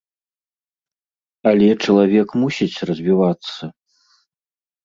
Але чалавек мусіць развівацца.